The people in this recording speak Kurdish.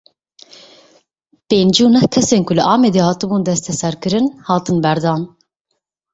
Pêncî û neh kesên ku li Amedê hatibûn desteserkirin, hatin berdan.